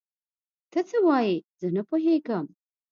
ته څه وايې؟ زه نه پوهيږم.